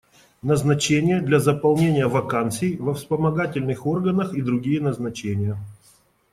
Назначение для заполнения вакансий во вспомогательных органах и другие назначения.